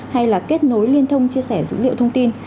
hay là kết nối liên thông chia sẻ dữ liệu thông tin